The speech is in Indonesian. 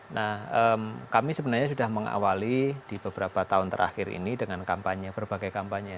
nah kami sebenarnya sudah mengawali di beberapa tahun terakhir ini dengan kampanye berbagai kampanye